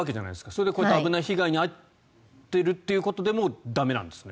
それでこういう危ない被害に遭っているということでも駄目なんですね。